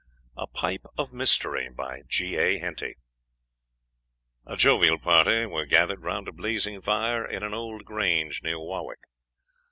A PIPE OF MYSTERY A jovial party were gathered round a blazing fire in an old grange near Warwick.